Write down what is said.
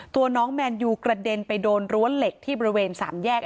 ตัวน้องแมนยูกระเด็นไปโดนรั้วเหล็กที่บริเวณสามแยก